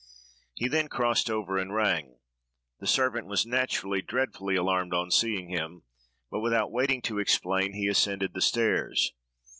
He then crossed over and rang; the servant was naturally dreadfully alarmed on seeing him, but, without waiting to explain, he ascended the stairs.